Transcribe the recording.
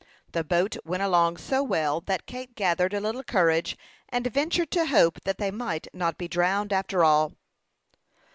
The boat went along so well that Kate gathered a little courage, and ventured to hope that they might not be drowned, after all.